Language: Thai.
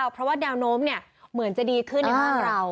เพราะว่าแนวโน้มเหมือนจะดีขึ้นในบ้านเรา